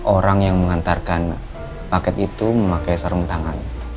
orang yang mengantarkan paket itu memakai sarung tangan